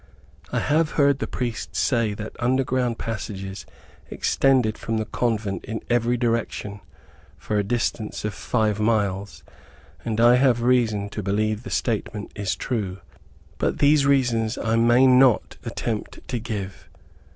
I have heard the priest say that underground passages extended from the convent in every direction, for a distance of five miles; and I have reason to believe the statement is true. But these reasons I may not attempt to give.